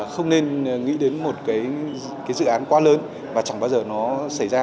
không nên nghĩ đến một cái dự án quá lớn và chẳng bao giờ nó xảy ra